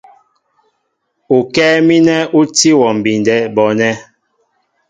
Ukɛ́ɛ́ mínɛ ú tí wɔ mbindɛ bɔɔnɛ́.